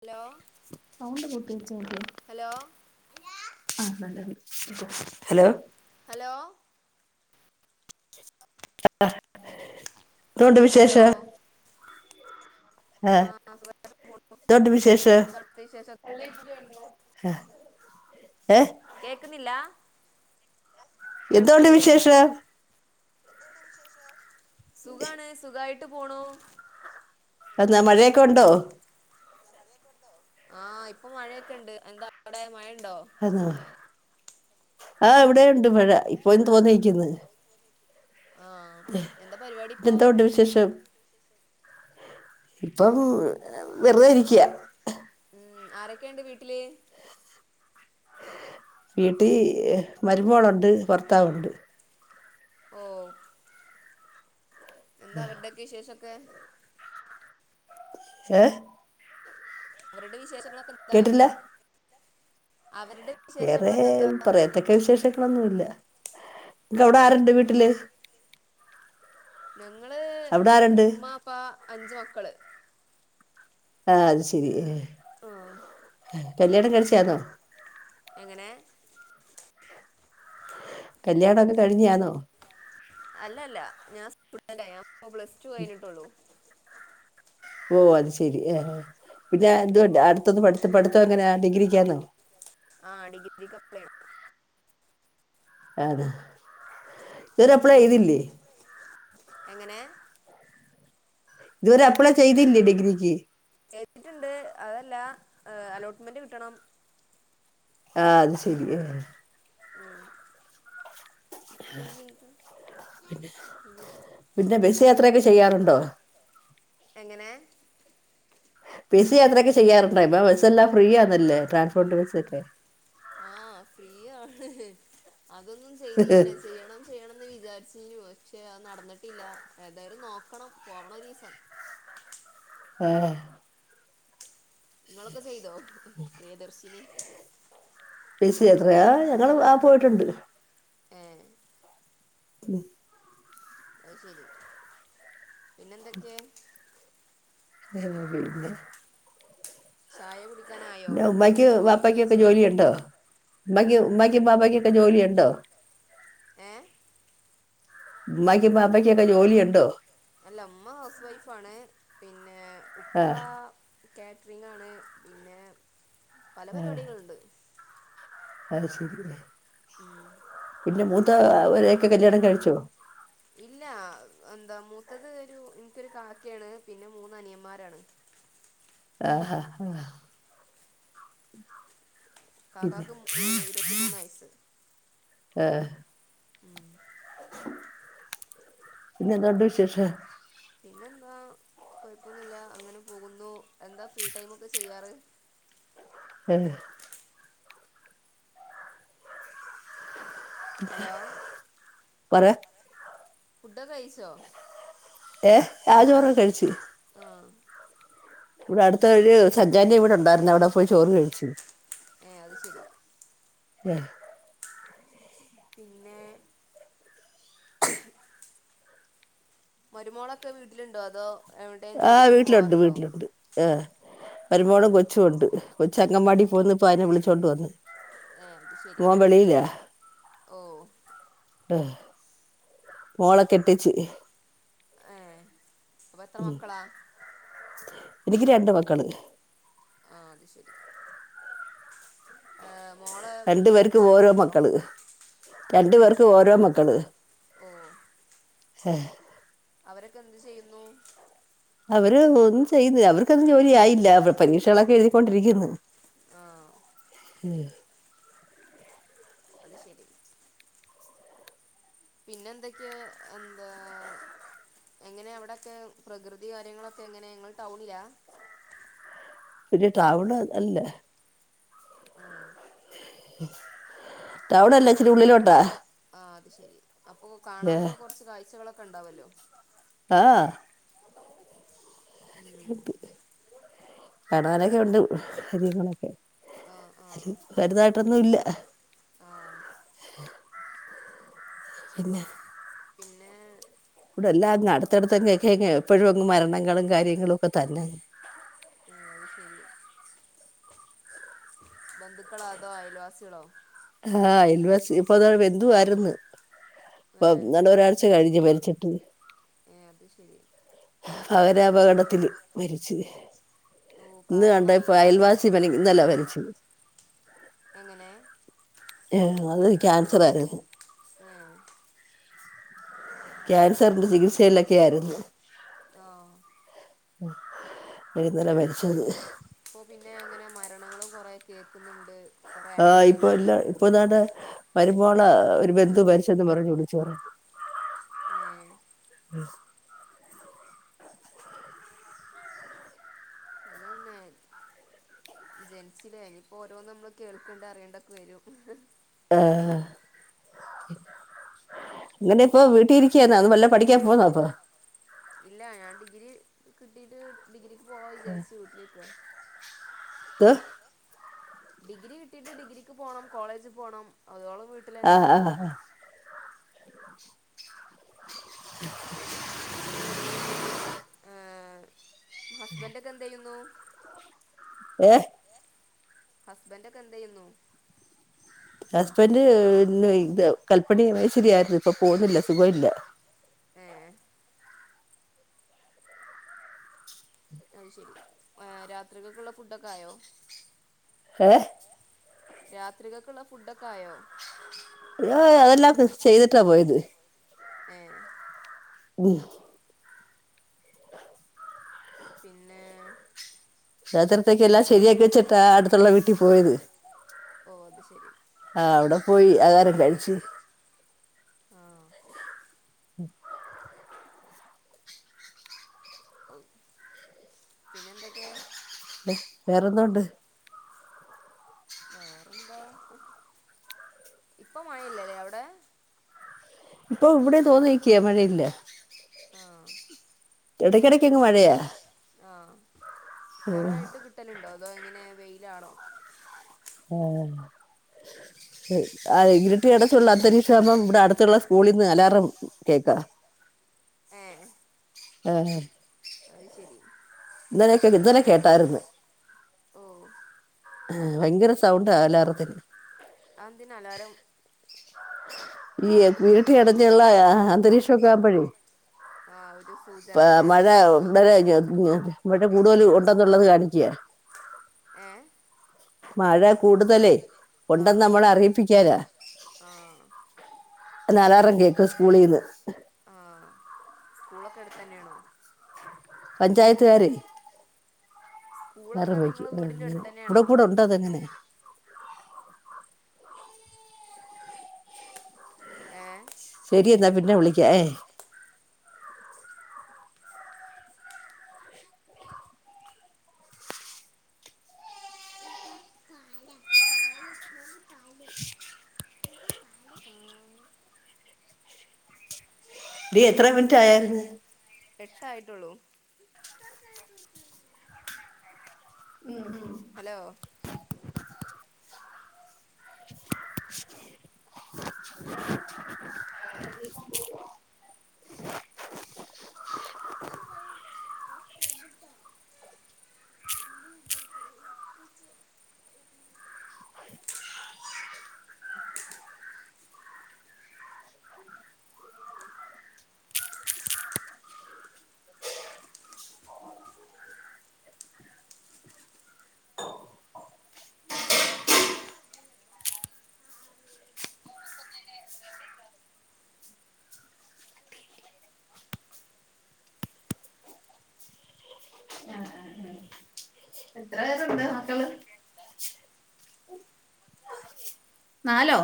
Hello pound പൂട്ടിച്ചത് hello hello hello ആ ഇതുകൊണ്ട് വിശേഷ ഹലോ ആഹ് ആ എന്താണ് എന്തൊണ്ട് വിശേഷം അവിടുത്തെ വിശേഷൊക്കെ ഹ കേക്കുന്നില്ല? എന്തോണ്ട് കേൾക്കണില്ലേ വിശേഷം സുഖാണ് സുഖായിട്ട് പോണൂ. എന്നാ മഴയൊക്കെ ഉണ്ടോ? ആഹ് ഇപ്പൊ മഴയൊക്കെ ഉണ്ട് എന്താ അവിടെ മഴ അതാ ആ ഇവിടെണ്ട് മഴ ഇപ്പോ തോന്നിയിരിക്കുന്ന് ആ പിന്നെ എന്താ പരിപാടി ഇപ്പോ എന്തുണ്ട് വിശേഷം ഇപ്പം വെറുതേ ഇരിക്കയ ഉം ആരൊക്കെയുണ്ട് വീട്ടില്. വീട്ടിൽ മരുമോളുണ്ട് ഭർത്താവുണ്ട്. ഓ. എന്താ അവരുടെയൊക്കെ വിശേഷൊക്കെ? ഏഹ് അവരുടെ വിശേഷങ്ങളൊക്കെ എന്താ? കേട്ടില്ല അവരുടെ വേറെ വിശേഷങ്ങളൊക്കെ എന്താ പറയത്തക്ക വിശേഷങ്ങളൊന്നുല്ല. ഇപ്പ ഓ അവിടാരുണ്ട് വീട്ടില്? ഞങ്ങള് അവിടെ ആരുണ്ട് ഉമ്മ ഇപ്പാ അഞ്ച് മക്കള്. ആഹ് അത് ശെരി. ആഹ് കല്യാണം കഴിച്ചയാന്നോ? എങ്ങനെ? കല്ലിയാണയൊക്ക കഴിഞ്ഞയാണോ അല്ല അല്ല ഞാൻ സ്റ്റുഡന്റാ ഞാനിപ്പോ പ്ലസ് ടു കഴിഞ്ഞിട്ടുള്ളു ഓ അത് ശരി ആ പിന്നെ അടുത്തത് പട്ത്ത പടുത്തം എങ്ങനെ? ഡിഗ്രിക്കാനോ ആഹ് ഡിഗ്രിക്ക് അപ്ലേ ചെയ്യണം അതെ ഇത് വരെ അപ്ലൈ ചെയ്യണം ചെയ്തില്ലേ എങ്ങനെ ഇതുവരെ അപ്ലേ ചെയ്തില്ലേ ഡിഗ്രിക്ക് എഴുതിയിട്ടുണ്ട് അതല്ല അലോട്ട്മെന്റ് കിട്ടണം. ആഹ് അത് ശരിയെ ഉം. ബി ഐ ഏത് പിന്നെ ബസ് യാത്രയൊക്കെ പിന്നെ ചെയ്യാറുണ്ടോ എങ്ങനെ ബസി യാത്രത്രക്ക് ചെയ്യാറുണ്ട് ഇപ്പൊ ബസ്സല്ലാം ഫ്രീ ആന്നല്ലേ ട്രാൻസ്പോർട്ട് ബസ്സക്കെ. ആഹ് അതൊന്നും ചെയ്തിയില്ല ചെയ്യണം ചെയ്യണംന്ന് വിചാരിച്ചീ നു ആഹ് പക്ഷെ നടന്നിട്ടില്ല ഏതായാലും നോക്കണം പോവണം ഒരീസം [unintelligible] നിങ്ങളൊക്കെ ചെയ്തോ പ്രിയദർശിനി ബസ് യാത്രയൊ ആഹ് ഞങ്ങള് ആഹ് പോയിട്ടുണ്ട്. ഏഹ് [unintelligible] അത് ശെരി പിന്നെ എന്തൊക്കയാ [unintelligible] ചായ കുടി ന്നെ ഉമ്മായ്ക്ക് ബാപ്പയ്ക്കൊക്കെ ജോലിയുണ്ടോ ഉമ്മായ്ക്ക് ഉമ്മായ്ക്കും ബാപ്പയ്ക്കൊക്കെ ജോലിയുണ്ടോ? ഏഹ്? ഉമ്മായ്ക്കും ബാപ്പയ്ക്കൊക്കെ ജോലിയുണ്ടോ? അല്ല ഉമ്മ ഹൗസ് വൈഫാണ് പിന്നെ ഉപ്പ ആഹ് കാറ്ററിങ്ങാണ് പിന്നെ പല പരിപാടികളുണ്ട്. അത് ശെരിയല്ലെ. ഉം. പിന്നെ മൂത്ത അവരെയൊക്കെ കല്യാണം കഴിച്ചോ? ഇൽ ല്ല എന്താ മൂത്തത് ഒരു എനിക്കൊരു കാക്കയാണ് പിന്നെ മൂന്ന് അനിയന്മാരാണ്. [unintelligible] ആഹ ഹ ഹ. കാക്കാക്ക് ഏ ഇരുപത്തിമൂന്ന് വയസ്. എഹ്. ഉം പിന്നെ എന്തുണ്ട് വിശേഷം. പിന്നെന്ത്വ കൊഴപ്പൊന്നുല്ല അങ്ങനെ പോകുന്നു എന്താ ഫ്രീ ടൈം ഒക്കെ ചെയ്യാറ്? [unintelligible] ഹ്. ഹലോ പറ. ഫൂഡോക്കെ കഴിച്ചോ? ഏഹ് ആഹ് ചോർ ഒക്കെ കഴിച്ചു. ആ ഇവിടെ അടുത്ത് ഒരു സഞ്ചാന്റെ ഇവിടെണ്ടായിരുന്നു അവിടെ പോയി ചോറ് കഴിച്ചു. ഏ അത് ശരി ഹെ പിന്നെ മരുമോളൊക്കെ വീട്ടിലുണ്ടോ അതോ എവിടെേയും ജോലിക്കൊക്കെ പോവാറുണ്ടോ? എഹ് മരുമോളും കൊച്ചുണ്ട്. കൊച്ച് അങ്കൻവാടി പോകുന്നു. ഇപ്പോ അയ്നെ വിളിച്ചോണ്ട് വന്ന്. ഏഹ് അത് ശരി മോൻ വെളിയിലാ ഓഹ് ഹ് മോളെ കെട്ടിച്. ഏ അപ്പൊ എത്ര മക്കളാ? എനിക്ക് രണ്ട് മക്കള്. ആഹ് അത് ശരി ആം രണ്ടു പേർക്ക് ഓരോ മക്കള് രണ്ടു പേർക്ക് ഓരോ മക്കള്. ഓ ഹെ അവരൊക്കെ എന്ത് ചെയ്യുന്നു? അവര് ഒന്നും ചെയ്യുന്നില്ല. അവർക്ക് അതിന് ജോലി ആയില്ല. അവറ് പരീക്ഷകളൊക്കെ എഴുതികൊണ്ടിരിക്കുന്നു. ആഹ് ഹ് അത് ശരി പിന്നെ എന്തൊക്കെയാ എന്താ? എങ്ങനെ അവിടെക്കെ പ്രകൃതി കാര്യങ്ങളൊക്കെ എങ്ങനെ ഇങ്ങള് ടൗണിലാ? [unintelligible] ടൌൺ അല്ലേ ഉം ടൌൺ അല്ല ഇച്ചിരി ഉള്ളിലോട്ടാ. ആഹ് അത് ശരി അപ്പൊ ഏ കാണാനൊക്കെ കൊർച്ച് കാഴ്ചകളൊക്കെ ണ്ടാവല്ലോ. ആഹ് അഹ് ഉം കാണാനൊക്കെ ഉണ്ട് കാര്യങ്ങളൊക്കെ. ആ വര് തായിട്ടൊന്നും ഇല്ല ആഹ് പിന്നെ പിന്നെ ഉടെ എല്ലാങ്‌ അടുത്തടുത്ത്ങ്‌ എക്കേങ്‌ എപ്പഴും അങ്ങ് മരണങ്ങളും കാര്യങ്ങളും ഒക്കെ തന്നെ. ഏഹ് അത് ശരി ബന്ധുക്കളാതോ അയൽവാസിളോ? ആഹ്. അയൽവാസി ഇപ്പൊത ബന്ധുവാരുന്ന്. ഏ പ്പെങ്ങാണ്ട് ഒരാഴ്ച കഴിഞ്ഞു മരിച്ചിട്ട്. ഏ അത് ശെരി അവരെ അപകടത്തില് മരിച്ചി. ഓ ഇന്ന് കണ്ട പ്രായൊന്നും ഇപ്പൊ ആയില്ല അയൽവാസി പനി ഇന്നല വരിച്. എങ്ങനെ? ഉം അത് ക്യാൻസർ ആയിരുന്നു. ഉം ക്യാൻസറിന്റെ ചികിത്സയിലൊക്കെ ആയിരുന്നു... ഓ ഇഴുന്നല്ല [unintelligible] മരിച്ചത് അപ്പൊ പിന്നെ അങ്ങനെ മരണങ്ങളും കൊറെ കേക്കുന്നുണ്ട്. കൊറേ ആഹ് ഇപ്പൊ ആക്സിഡന്റും എല്ലാ ഇപ്പൊതാണ്ടേ... വരുമ്പോളെ [unintelligible] ഒരു ബന്ധു പരിച്ചന്ന് പറഞ്ഞ് വിളിച്ചു പറു [unintelligible] ഏ... ഉ [unintelligible] അതന്നെ.. ജെനിചിലെ. ഇനിപ്പോ ഓരോന്നു നമ്മൾ കേൾക്കണ്ട അറിയണ്ടൊക്കെ വരു.. ആ, ഹ്, ഹ,... ങ്ങനെ ഇപ്പൊ വീട്ടി ഇരികിരുന്നോ അതോ വല്ല പഠിക്യാൻ പോന്നോപ്പൊ... ഇല്ല ഞാൻ ഡിഗ്രി കിട്ടീട്ട് ഡിഗ്രിക്ക് പോവാ വിചാരിച്ചു വീട്ടിലിരിക... ഇത് ഡിഗ്രി കിട്ടിട്ട് ഡിഗ്രിക്ക് പോണം കോളേജ് പോണം അതോളം... ആഹ, വീട്ടിലന്നെ ആ, ഹ, ആ ആ ഹസ്ബൻറ്ക്കെ എന്ത്യ്യുന്നു.. ഏഹ? ഹസ്ബന്റ് ക്കെ എന്ത് യ്യുന്നു ഹസ്ബന്ഡ് ഇന്ന്. ഇത്. കല്പ്പണി മേശരിയിരുന്നു. ഇപ്പൊ പോന്നില്ല. സുഖ്ല്ല ഏ.. അത് ശെരി. [unintelligible] രാത്ര ക ക്ക് ഉള്ള ഫുഡൊക്കെ ആയോ ഹഏ രാത്ര കക്കുള്ള ഫുഡൊക്കെ ആയോ. [unintelligible] അതെല്ലാം ചെയ്തിട്ടി പോയത് ഏ.. ഉ,,, പിന്നെ... ക്ഷത്രത്തേക് എല്ലാം ശരിയാക്കി വെച്ചിട്ടാ അടുത്തുള്ള വീട്ടി പോയത്... ഓ അത് ശരി ആഹ അവിടെ പോയി ആഹാരം കഴിച്... ആ.. ഉ [unintelligible] ഓ, പിന്നെ എന്തൊക്കെ ല്ല. വേറെന്തോണ്ട്? വേറെന്താ ഇപ്പൊ മയല്ലലെ അവിടെ... ഇപ്പൊ ഇവിടെയും തോന്നിയിക്യ മഴയില്ല.. ആ... എടക. എടക് ഇങ്ങ് മഴയാ... കൊറെ ആയിട്ട് കിട്ടല്ണ്ടോ അതോ ഇങ്ങനെ വെയിലാണോ. ഉം. ഇരട്ടി അടുത്തുള്ള അന്തരീക്ഷാമ്പം ഇവിടെ അടുത്തുള്ള സ്കൂളിൽന്ന് അലാറം കേക്കാ. ഏ. ആ. ന്നലെയൊക്കെ ഇന്നലെ കേട്ടാർന്ന്. ഓ ആ ഭയങ്കര സൗണ്ടാ അലാറത്തിന്. [unintelligible] ഈ [unintelligible] അന്തരീക്ഷമൊക്കെ ആകുമ്പഴേ. ആ ഒരു. സൂചനല്ലേ [unintelligible] മഴ [unintelligible] ഇവിടെ കൂടുതൽ ഉണ്ടെന്നുള്ളത് കാണിക്ക്യാ. ഏഹ് മഴ കൂടുതലേ, ആഹ് ഒണ്ടെന്ന് ആഹ് നമ്മളെ അറിയിപ്പിക്കാനാ. ആഹ് അലാറം കേക്കും സ്കൂളീന്ന്. തന്നെയണോ? പഞ്ചായത്ത്ക്കാരെ സ്കൂളൊക്കെ നിങ്ങളെ വീടിന്റെ [unintelligible] അടുത്ത് കൂടെ തന്നെയാണോ കൂടെ ഉണ്ടതങ്ങനെ. ഏഹ് പിനെ വിളിക്ക ഏ. ഡീ എത്ര മിനിറ്റ് ആയോ? എട്ടായിട്ടോള്ളൂ. ഉം ഉം. ഹലോ. [inaudible] [inaudible] [inaudible] നാലോ?